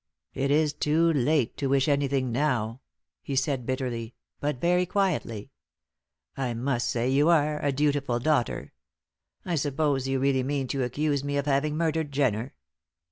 "It is too late to wish anything now," he said, bitterly, but very quietly. "I must say you are a dutiful daughter. I suppose you really mean to accuse me of having murdered Jenner?"